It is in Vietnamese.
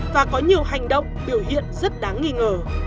và có nhiều hành động biểu hiện rất đáng nghi ngờ